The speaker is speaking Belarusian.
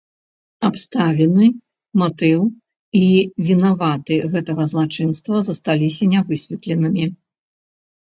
Абставіны, матыў і вінаваты гэтага злачынства засталіся нявысветленымі.